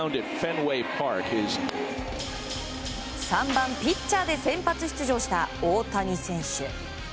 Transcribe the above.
３番ピッチャーで先発出場した大谷選手。